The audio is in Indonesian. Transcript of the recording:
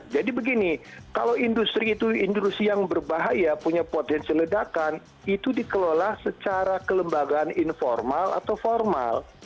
jadi begini kalau industri itu industri yang berbahaya punya potensi ledakan itu dikelola secara kelembagaan informal atau formal